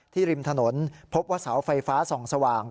ริมถนนพบว่าเสาไฟฟ้าส่องสว่าง